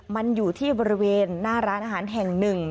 มันอยู่ที่บริเวณหน้าร้านอาหารแห่งหนึ่ง